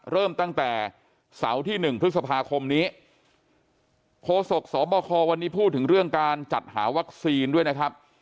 เริ่มตั้งแต่เสาร์ที่๑พฤษภาคมนี้โฆษกสบควันนี้พูดถึงเรื่องการจัดหาวัคซีนด้วยนะครับ